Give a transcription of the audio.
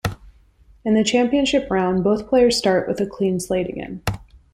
In the championship round, both players start with a clean slate again.